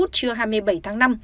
trưa hai mươi bảy tháng năm